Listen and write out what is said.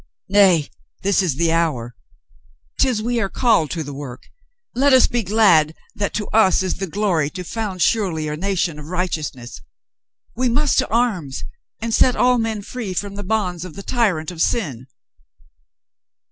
"Nay, this is the hour! 'Tis we are called to the work! Let us be glad that to us is the glory to found surely a nation of righteousness. We must to arms and set all men free from the bonds of the tyrant of sin."